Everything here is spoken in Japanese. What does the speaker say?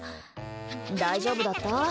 大丈夫だった？